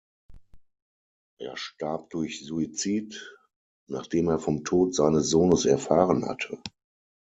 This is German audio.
Er starb durch Suizid, nachdem er vom Tod seines Sohnes erfahren hatte.